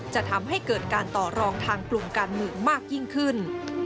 จะทำให้เกิดการต่อรองทางกลุ่มการเมืองมากยิ่งขึ้น